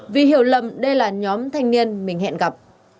vì hiểu lầm đây là nhóm thanh niên mình hẹn gặp